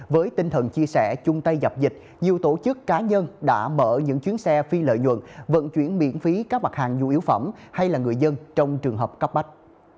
với tinh thần chia sẻ chung tay dập dịch nhiều tổ chức cá nhân đã mở những chuyến xe phi lợi nhuận vận chuyển miễn phí các mặt hàng nhu yếu phẩm hay là người dân trong trường hợp cấp bách